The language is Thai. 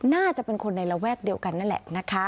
น่าจะเป็นคนในระแวกเดียวกันนั่นแหละนะคะ